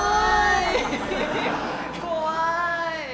怖い！